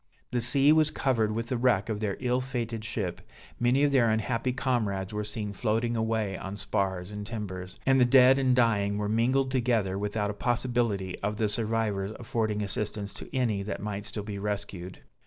The sea was covered with the wreck of their ill fated ship, many of their unhappy comrades were seen floating away on spars and timbers; and the dead and dying were mingled together without a possibility of the survivors affording assistance to any that might still be rescued.